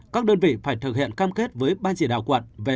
các đơn vị phải thực hiện cam kết với ban chỉ đạo quận